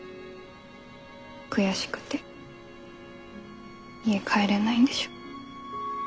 悔しくて家帰れないんでしょ。